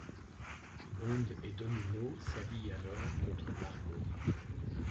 Bond et Domino s'allient alors contre Largo.